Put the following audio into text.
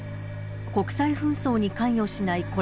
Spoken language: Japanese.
国際紛争に関与しない